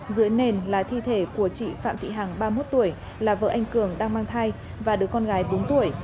dưới nền là thi thể của chị phạm thị hằng ba mươi một tuổi là vợ anh cường đang mang thai và đứa con gái bốn tuổi